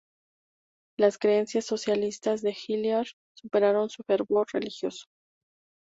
Las creencias socialistas de Hilliard superaron su fervor religioso.